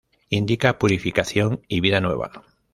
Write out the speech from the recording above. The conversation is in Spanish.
Indica purificación y vida nueva.